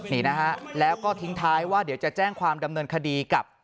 นี่นะฮะแล้วก็ทิ้งท้ายว่าเดี๋ยวจะแจ้งความดำเนินคดีกับ